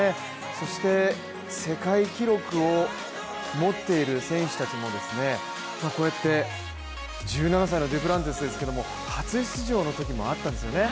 そして、世界記録を持っている選手たちも、こうやって１７歳のデュプランティスですが、初出場のときもあったんですよね。